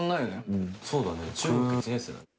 そうだね。